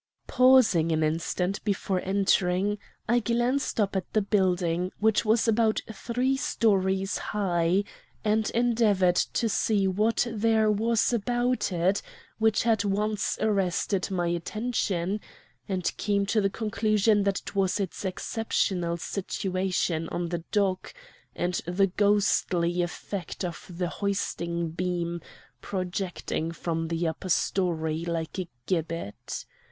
"Pausing an instant before entering, I glanced up at the building, which was about three stories high, and endeavored to see what there was about it which had once arrested my attention, and came to the conclusion that it was its exceptional situation on the dock, and the ghostly effect of the hoisting beam projecting from the upper story like a gibbet.